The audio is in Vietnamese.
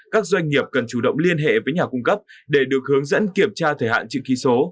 các doanh nghiệp cần chủ động liên hệ với nhà cung cấp để được hướng dẫn kiểm tra thời hạn chữ ký số